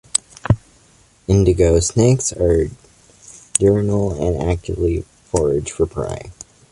Indigo snakes are diurnal and actively forage for prey.